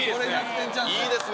いいですね。